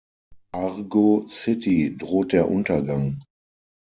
Argo City droht der Untergang.